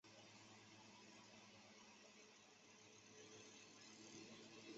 小组前两名直接晋级八强。